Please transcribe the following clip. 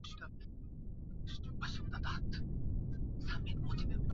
viazi lishe shambani vinahitaji kutunzwa